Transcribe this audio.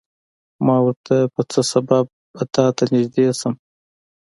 ما ورته په څه سبب به تاته نږدې شم.